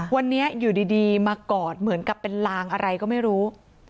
วันนี้อยู่ดีมากอดเหมือนกับเป็นลางอะไรก็ไม่รู้